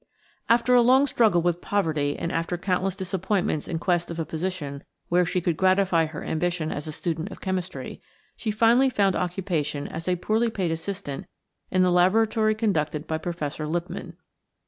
After a long struggle with poverty and after countless disappointments in quest of a position where she could gratify her ambition as a student of chemistry, she finally found occupation as a poorly paid assistant in the laboratory conducted by Professor Lipmann.